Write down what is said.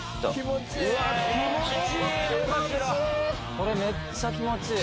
これめっちゃ気持ちいい！